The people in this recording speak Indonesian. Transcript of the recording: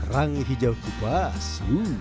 rangi hijau kupas